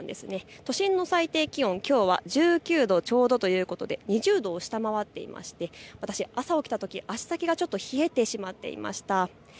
都心の最低気温、きょうは１９度ちょうどということで、２０度を下回っていまして私、朝起きたとき足だけがちょっと冷えてしまっていました。